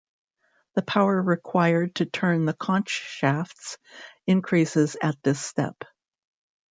The power required to turn the conche shafts increases at this step.